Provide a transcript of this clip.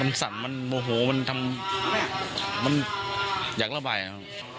มันสั่นมันโมโหมันทำมันอยากระบายครับ